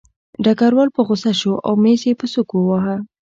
ډګروال په غوسه شو او مېز یې په سوک وواهه